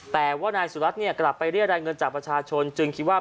แต่ว่านายสุรัตน์เนี่ยกลับไปเรียกรายเงินจากประชาชนจึงคิดว่า